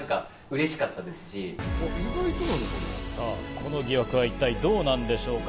この疑惑は一体どうなんでしょうか？